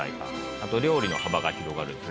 あと料理の幅が広がるですね